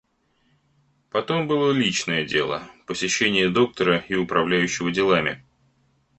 Потом было личное дело, посещение доктора и управляющего делами.